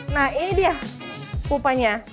nah ini dia pupanya